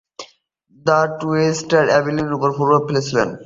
The স্টুজেসও অ্যালিনের ওপর প্রভাব ফেলেছিল।